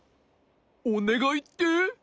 おねがいって？